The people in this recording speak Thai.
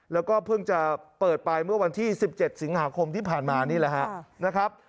แล้วก็เพิ่งจะเปิดไปเมื่อวันที่๑๗สิงหาคมที่ผ่านมานี่แหละครับนะครับ